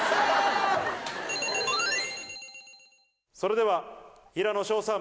それでは平野紫耀さん